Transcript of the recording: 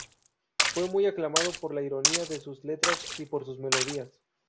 Fue muy aclamado por la ironía de sus letras y por sus melodías.